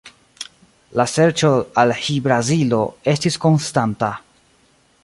La serĉo al Hi-Brazilo estis konstanta.